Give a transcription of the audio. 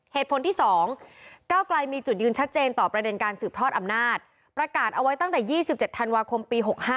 เหตุผลที่๒ก้าวไกลมีจุดยืนชัดเจนต่อประเด็นการสืบทอดอำนาจประกาศเอาไว้ตั้งแต่๒๗ธันวาคมปี๖๕